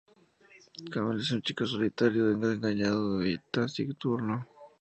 Kamel es un chico solitario, desengañado y taciturno.